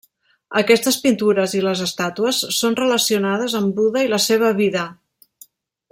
Aquestes pintures i les estàtues són relacionades amb Buda i la seva vida.